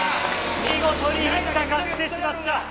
見事に引っかかってしまった。